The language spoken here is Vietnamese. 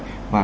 và thường là